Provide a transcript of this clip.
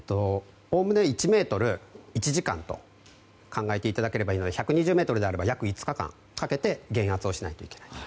おおむね１ｍ、１時間と考えていただければいいので１２０ｍであれば約５日間かけて減圧しないといけません。